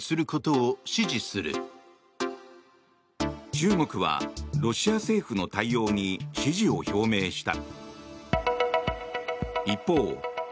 中国はロシア政府の対応に支持を表明した。